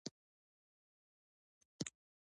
عثمان جان پاچا په کور کې نه و نه یې وموند.